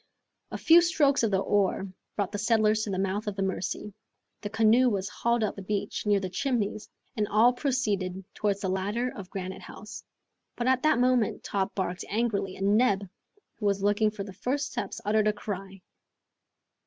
A few strokes of the oar brought the settlers to the mouth of the Mercy. The canoe was hauled up on the beach near the Chimneys, and all proceeded towards the ladder of Granite House. But at that moment, Top barked angrily, and Neb, who was looking for the first steps, uttered a cry.